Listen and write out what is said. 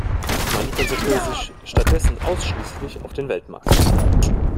Man konzentrierte sich stattdessen ausschließlich auf den Weltmarkt.